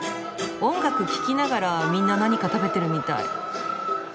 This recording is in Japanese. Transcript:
音楽聴きながらみんな何か食べてるみたい。